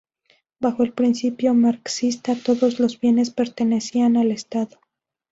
Bajo el principio marxista todos los bienes pertenecían al Estado.